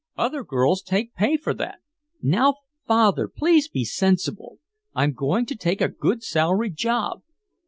Other girls take pay for that. Now Father, please be sensible. I'm going to take a good salaried job."